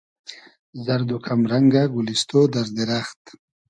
زئرد و کئم رئنگۂ گولیستۉ , دئر دیرئخت